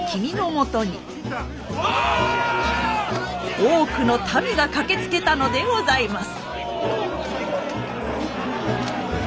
多くの民が駆けつけたのでございます。